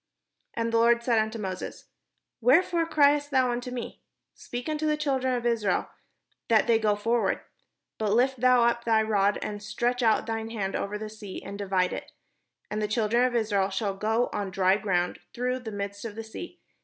And the Lord said unto Moses: ''Wherefore criest thou unto me? speak unto the children of Israel, that they go forward. But lift thou up thy rod, and stretch out thine hand over the sea, and divide it; and the children of Israel shall go on dry ground through the midst of the sea.